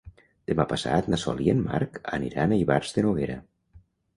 Demà passat na Sol i en Marc aniran a Ivars de Noguera.